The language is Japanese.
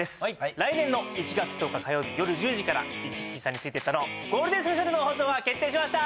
来年の１月１０日火曜日夜１０時から「イキスギさんについてった」のゴールデンスペシャルの放送が決定しました！